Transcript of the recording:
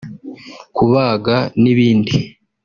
kubaga n’ibindi